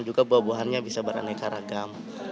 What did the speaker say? juga buah buahannya bisa beraneka ragam